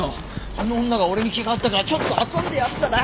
あの女が俺に気があったからちょっと遊んでやっただけだろ！